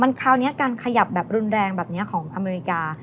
คราวนี้การขยับแบบรุนแรงแบบนี้ของอเมริกา